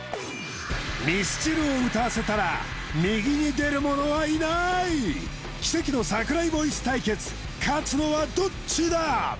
ミスチルを歌わせたら右に出る者はいない奇跡の桜井ボイス対決勝つのはどっちだ？